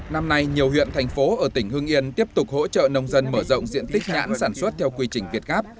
năm nay nhiều huyện thành phố ở tỉnh hưng yên tiếp tục hỗ trợ nông dân mở rộng diện tích nhãn sản xuất theo quy trình việt gáp